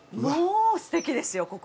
もうすてきですよ